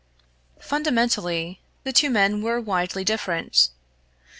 Fundamentally, the two men were widely different.